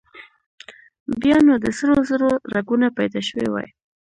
بيا نو د سرو زرو رګونه پيدا شوي وای.